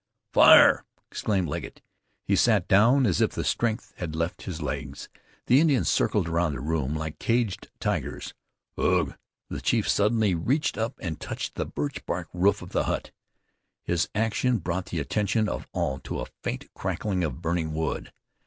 "Fire!" exclaimed Legget. He sat down as if the strength had left his legs. The Indians circled around the room like caged tigers. "Ugh!" The chief suddenly reached up and touched the birch bark roof of the hut. His action brought the attention of all to a faint crackling of burning wood.